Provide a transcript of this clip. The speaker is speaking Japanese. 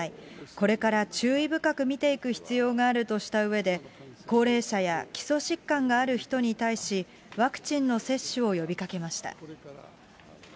これから注意深く見ていく必要があるとしたうえで、高齢者や基礎疾患がある人に対し、ワクチンの接種を呼びかけました。